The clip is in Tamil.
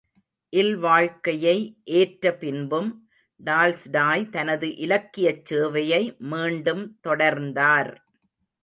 இல்வாழ்க்கையை ஏற்ற பின்பும் டால்ஸ்டாய் தனது இலக்கியச் சேவையை மீண்டும் தொடர்ந்தார்.